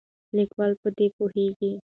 لیکوال په دې پوهیږي.